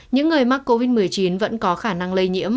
những người mắc covid một mươi chín vẫn có khả năng lây nhiễm